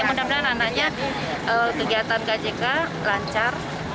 mudah mudahan anaknya kegiatan kjk lancar